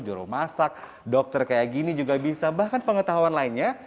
jururumasak dokter kayak gini juga bisa bahkan pengetahuan lainnya